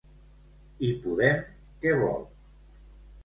I Podem què vol?